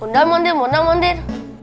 udah mundur mundur mundur